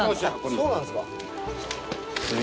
そうなんですか。